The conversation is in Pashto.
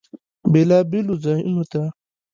بیلابیلو ځایونو ته